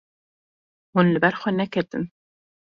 Hûn li ber xwe neketin.